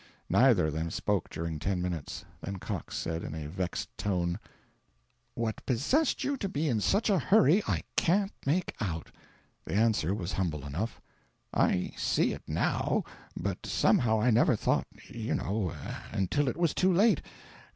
Neither of them spoke during ten minutes; then Cox said, in a vexed tone, "What possessed you to be in such a hurry, I can't make out." The answer was humble enough: "I see it now, but somehow I never thought, you know, until it was too late.